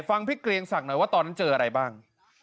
ฟังพี่เกรียงศักดิ์หน่อยว่าตอนนั้นเจออะไรบ้าง